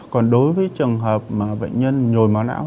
còn đối với trường hợp mà bệnh nhân nhồi máu não